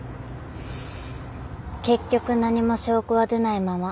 結局何も証拠は出ないまま。